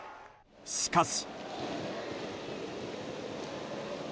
しかし。